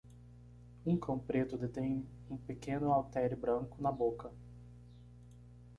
Um cão preto detém um pequeno haltere branco na boca.